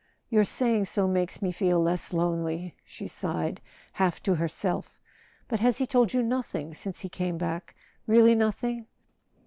"Your saying so makes me feel less lonely," she sighed, half to herself. "But has he told you nothing since he came back—really nothing